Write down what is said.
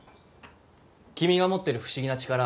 君が持ってる不思議な力